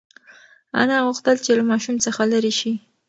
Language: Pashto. انا غوښتل چې له ماشوم څخه لرې شي.